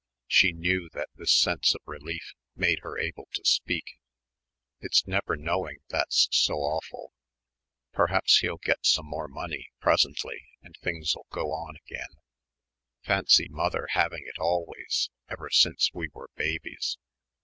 She knew that this sense of relief made her able to speak. "It's never knowing that's so awful. Perhaps he'll get some more money presently and things'll go on again. Fancy mother having it always, ever since we were babies."